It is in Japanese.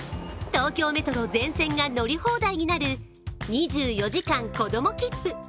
東京メトロ全線が乗り放題になる２４時間こどもきっぷ。